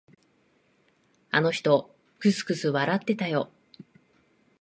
あの人、くすくす笑ってたよ。